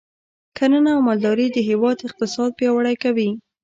کرنه او مالداري د هیواد اقتصاد پیاوړی کوي.